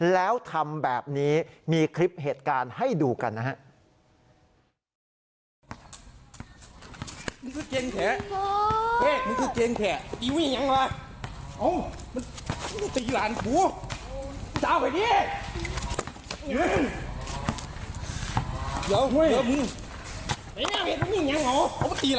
แล้วทำแบบนี้มีคลิปเหตุการณ์ให้ดูกันนะฮะ